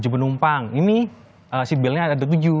tujuh penumpang ini seatbeltnya ada tujuh